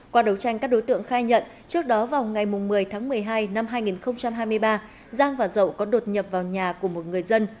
qua đấu tranh các đối tượng khai nhận trước đó vào ngày một mươi tháng một mươi hai năm hai nghìn hai mươi ba giang và dậu có đột nhập vào nhà của một người dân